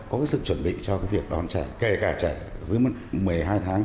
có sự chuẩn bị cho việc đón trẻ kể cả trẻ dưới một mươi hai tháng